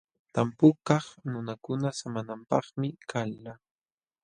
Tampukaq nunakuna samanapaqmi kalqa.